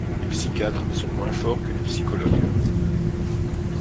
Les psychiatres sont moins forts que les psychologues.